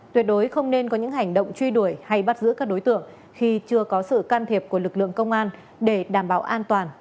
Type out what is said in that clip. tuyệt đối không nên có những hành động truy đuổi hay bắt giữ các đối tượng khi chưa có sự can thiệp của lực lượng công an để đảm bảo an toàn